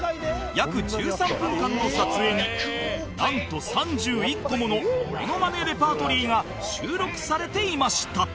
約１３分間の撮影になんと３１個ものモノマネレパートリーが収録されていました